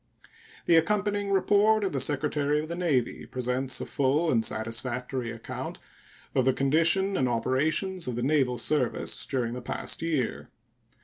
The accompanying report of the Secretary of the Navy presents a full and satisfactory account of the condition and operations of the naval service during the past year.